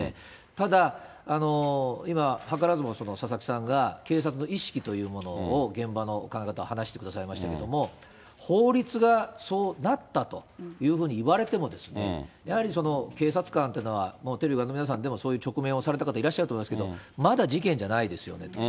ただ、今、はからずも佐々木さんが、警察の意識というものを現場の考え方を話してくださいましたけど、法律がそうなったといわれても、警察官っていうのは、そういう直面をされた方いらっしゃると思いますけど、まだ事件じゃないですよねと。